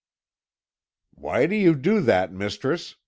"Why do you do that, Mistress?"